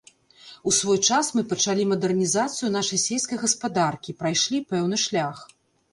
У свой час мы пачалі мадэрнізацыю нашай сельскай гаспадаркі, прайшлі пэўны шлях.